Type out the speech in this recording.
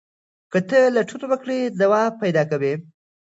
که ته لټون وکړې ځواب پیدا کوې.